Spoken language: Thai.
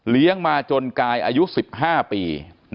เลี้ยงมาจนกายอายุ๑๕ปี